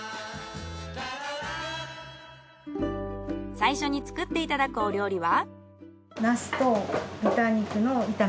最初に作っていただくお料理は？